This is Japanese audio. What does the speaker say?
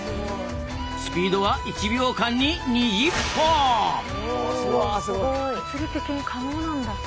スピードは物理的に可能なんだ。